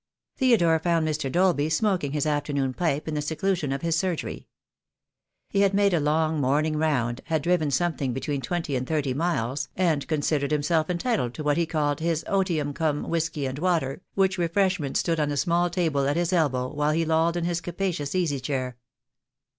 Theodore found Mr. Dolby smoking his afternoon pipe in the seclusion of his surgery. He had made a long morning round, had driven something between twenty and thirty miles, and considered himself entitled to what he called his otium cum whisky and water, which refresh ment stood on a small table at his elbow while he lolled in his capacious easy chair.